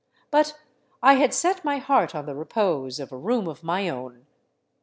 But I had set my heart on the repose of a room of my own.